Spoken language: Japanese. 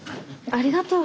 ありがとう。